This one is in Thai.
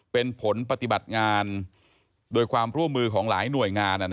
เป็นผลปฏิบัติงานโดยความร่วมมือของหลายหน่วยงาน